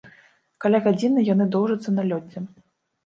Каля гадзіны яны доўжацца на лёдзе.